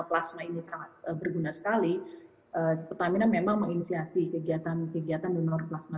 plasma ini sangat berguna sekali pertamina memang menginisiasi kegiatan kegiatan donor plasma